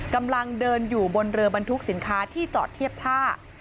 กำลังเดินอยู่บนเรือบรรทุกสินค้าที่จอดเทียบท่า